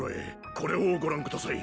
これをご覧ください。